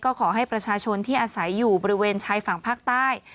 ก็ขอให้ประชาชนที่อาศัยอยู่บริเวณชายฝั่งภาคใต้